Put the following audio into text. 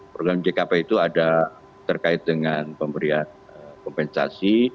program jkp itu ada terkait dengan pemberian kompensasi